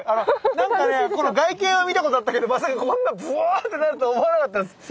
なんかねこの外見は見たことあったけどまさかこんなブワってなるとは思わなかったです。